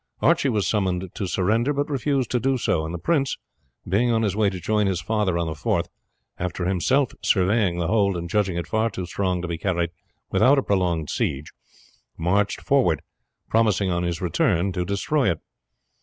Archie was summoned to surrender, but refused to do so; and the prince, being on his way to join his father on the Forth, after himself surveying the hold, and judging it far too strong to be carried without a prolonged siege, marched forward, promising on his return to destroy it.